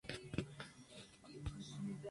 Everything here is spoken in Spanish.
La dinámica en el sistema nervioso.